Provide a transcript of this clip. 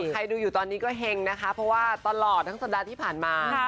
ดูอยู่ตอนนี้ก็เฮงนะคะเพราะว่าตลอดทั้งสัปดาห์ที่ผ่านมา